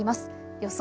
予想